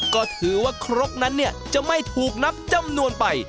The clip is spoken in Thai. ก็ถือว่าครกนั้นจะไม่ถูกนับจำนวนไป